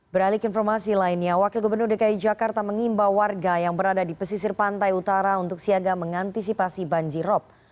beralik informasi lainnya wakil gubernur dki jakarta mengimbau warga yang berada di pesisir pantai utara untuk siaga mengantisipasi banjirop